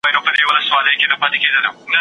غرونه دې ونړېږي، دوه زړونه دې تار ته راشي